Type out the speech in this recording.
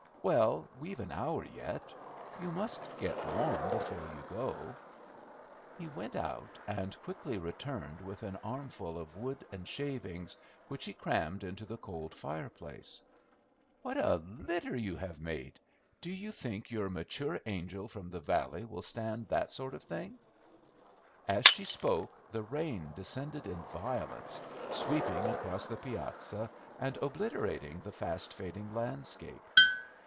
"Well, we've an hour yet. You must get warm before you go." He went out, and quickly returned with an armful of wood and shavings, which he crammed into the cold fireplace. "What a litter you have made! Do you think your mature angel from the valley will stand that sort of thing?" As she spoke, the rain descended in violence, sweeping across the piazza, and obliterating the fast fading landscape.